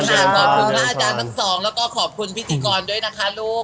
ขอบคุณพระอาจารย์ทั้งสองแล้วก็ขอบคุณพิธีกรด้วยนะคะลูก